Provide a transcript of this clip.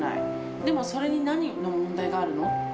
でもそれになんの問題があるの？